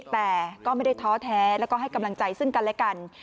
แต่ก็ไม่ได้ท้อแท้แล้วก็ให้กำลังใจซึ่งกันและกัน